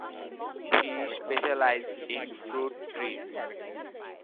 He specialized in fruit trees.